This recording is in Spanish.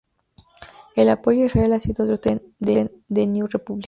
El apoyo a Israel ha sido otro tema fuerte en "The New Republic".